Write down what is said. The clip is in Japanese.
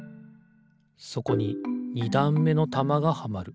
そこに２だんめのたまがはまる。